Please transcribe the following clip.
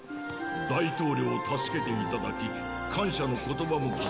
大統領を助けていただき感謝の言葉もございません。